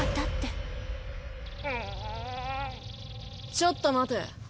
ちょっと待て。